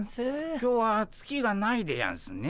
今日は月がないでやんすねえ。